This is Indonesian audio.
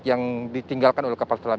yang ditinggalkan oleh kapal selam